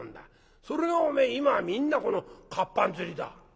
それがおめえ今はみんなこの活版刷りだ。